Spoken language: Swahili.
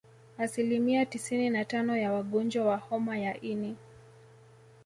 Asilimia tisini na tano ya wagonjwa wa homa ya ini